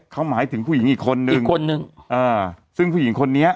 เขาหมายถึงผู้หญิงอีกคนนึงอีกคนนึงอ่าซึ่งผู้หญิงคนนี้